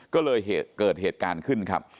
ก็เลยเกิดเหตุการณ์ขึ้นครับ